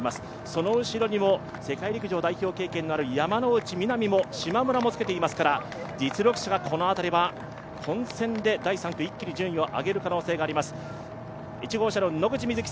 その後ろにも世界陸上代表経験のある山ノ内みなみもしまむらもつけていますから実力者は混戦で第３区、一気に順位を上げる可能性があります。